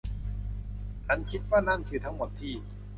ฉันคิดว่านั่นคือทั้งหมดที่